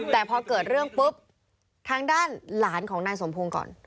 แต่พอเกิดเรื่องปุ๊บทางด้านหลานของนายสมพงศ์ก่อน